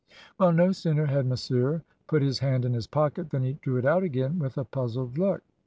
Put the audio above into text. "Well, no sooner had Monsieur put his hand in his pocket than he drew it out again with a puzzled look.